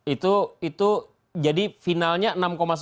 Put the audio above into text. itu itu jadi finalnya enam sembilan pak ya